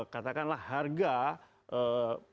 katakanlah harga produksi